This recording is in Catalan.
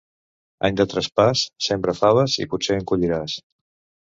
Any de traspàs, sembra faves i potser en colliràs.